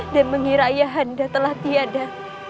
dan mengira ayahanda telah tiada